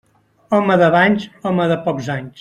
Home de banys, home de pocs anys.